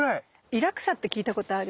イラクサって聞いたことある？